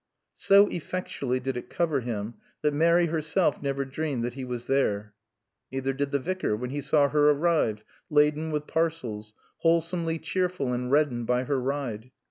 So effectually did it cover him that Mary herself never dreamed that he was there. Neither did the Vicar, when he saw her arrive, laden with parcels, wholesomely cheerful and reddened by her ride.